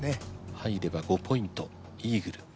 入れば５ポイントイーグル。